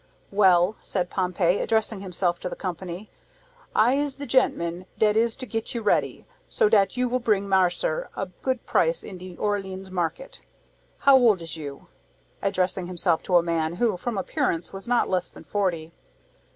"Well," said Pompey, addressing himself to the company, "I is de gentman dat is to get you ready, so dat you will bring marser a good price in de Orleans market. How old is you?" addressing himself to a man who, from appearance, was not less than forty.